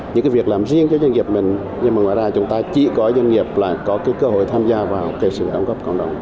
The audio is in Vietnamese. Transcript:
những việc làm riêng cho doanh nghiệp mình nhưng ngoài ra chúng ta chỉ có doanh nghiệp là có cơ hội tham gia vào sự đóng góp cộng đồng